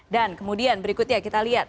kemudian berikutnya kita lihat